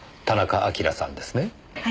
田中晶さんですね。